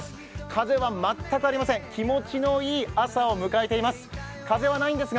風は全くありません、気持ちのいい朝を迎えています。